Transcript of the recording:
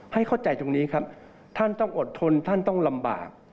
ให้เข้าใจตรงนี้ครับท่านต้องอดทนท่านต้องลำบาก